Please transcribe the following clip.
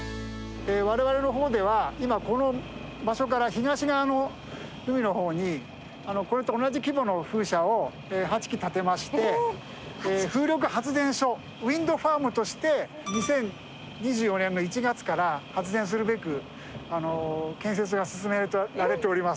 我々の方では今この場所から東側の海の方にこれと同じ規模の風車を８基建てまして風力発電所ウインドファームとして２０２４年の１月から発電するべく建設が進められております。